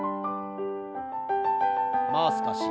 もう少し。